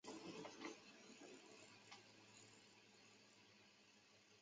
作曲家山冈晃表示开发商不知道如何着手游戏的后期制作。